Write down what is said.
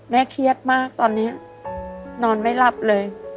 เครียดมากตอนนี้นอนไม่หลับเลย